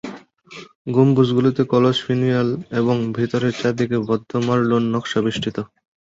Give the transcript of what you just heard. গম্বুজগুলিতে কলস ফিনিয়াল এবং ভিতের চারদিকে বদ্ধ মারলোন নকশা বেষ্টিত।